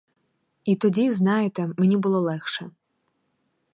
І тоді, знаєте, мені було легше.